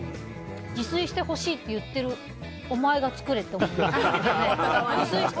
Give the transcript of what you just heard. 自炊してほしいって言っているお前が作れって思います。